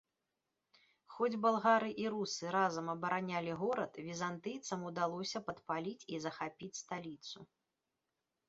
Хоць балгары і русы разам абаранялі горад, візантыйцам удалося падпаліць і захапіць сталіцу.